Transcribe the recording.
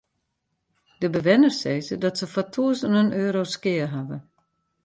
De bewenners sizze dat se foar tûzenen euro's skea hawwe.